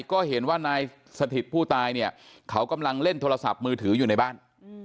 ก็เห็นว่านายสถิตผู้ตายเนี่ยเขากำลังเล่นโทรศัพท์มือถืออยู่ในบ้าน